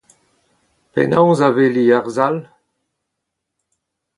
Penaos aveliñ ur sal ?